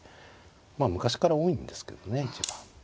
まあ昔から多いんですけどね一番。